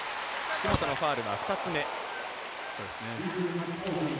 岸本のファウルは２つ目。